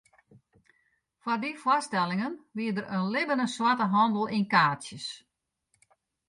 Foar dy foarstellingen wie der in libbene swarte handel yn kaartsjes.